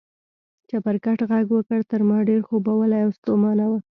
چپرکټ غږ وکړ، تر ما ډېر خوبولی او ستومانه و.